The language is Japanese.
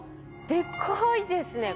でかいですね。